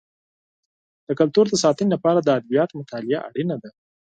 د کلتور د ساتنې لپاره د ادبیاتو مطالعه اړینه ده.